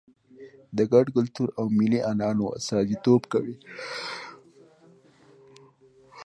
د ګډ کلتور او ملي عنعنو استازیتوب کوي په پښتو ژبه.